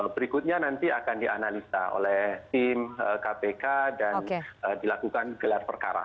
berikutnya nanti akan dianalisa oleh tim kpk dan dilakukan gelar perkara